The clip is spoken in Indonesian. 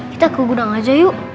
kita ke gudang aja yuk